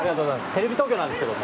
テレビ東京なんですけども。